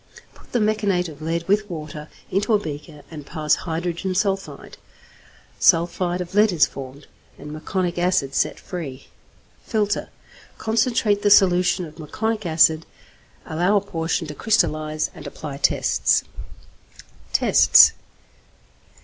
Put the meconate of lead with water into a beaker and pass hydrogen sulphide; sulphide of lead is formed, and meconic acid set free. Filter. Concentrate the solution of meconic acid, allow a portion to crystallize, and apply tests. _Tests.